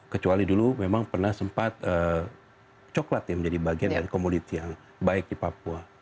kecuali dulu memang pernah sempat coklat ya menjadi bagian dari komoditi yang baik di papua